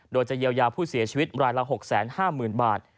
โดยจะเยียวยาผู้เสียชีวิตรายละ๖๕๐๐๐บาท